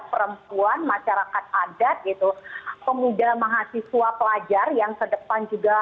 perempuan masyarakat adat gitu pemuda mahasiswa pelajar yang kedepan juga